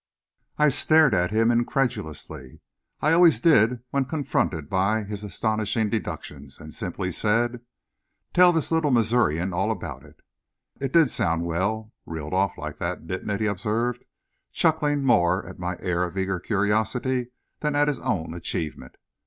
I stared at him incredulously, as I always did when confronted by his astonishing "deductions," and simply said, "Tell this little Missourian all about it." "It did sound well, reeled off like that, didn't it?" he observed, chuckling more at my air of eager curiosity than at his own achievement.